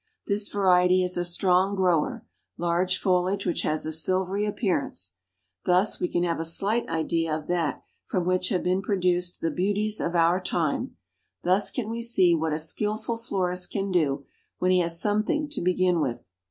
This variety is a strong grower, large foliage which has a silvery appearance. Thus we can have a slight idea of that from which have been produced the beauties of our time; thus can we see what a skillful florist can do when he has something to begin with.